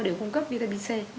để cung cấp vitamin c